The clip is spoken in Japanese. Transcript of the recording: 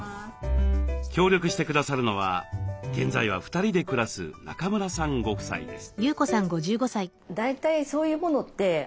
協力して下さるのは現在は２人で暮らす中村さんご夫妻です。